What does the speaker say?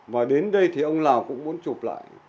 và đến đây thì ông lào cũng muốn chụp lại